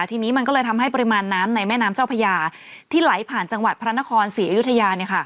ทีนี้มันก็เลยทำให้ปริมาณน้ำในแม่น้ำเจ้าพญาที่ไหลผ่านจังหวัดพระนครศรีอยุธยา